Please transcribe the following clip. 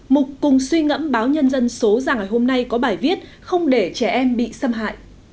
mục cùng suy ngẫm báo nhân dân số rằng ngày hôm nay có bài viết không để trẻ em bị xâm hại